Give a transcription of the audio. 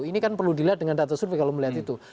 ini kan perlu dilihat dengan data survei kalau melihat itu